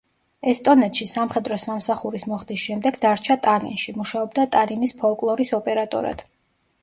ესტონეთში სამხედრო სამსახურის მოხდის შემდეგ დარჩა ტალინში, მუშაობდა ტალინის ფოლკლორის ოპერატორად.